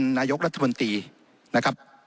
วิทยาลัยธรรมดีนะครับ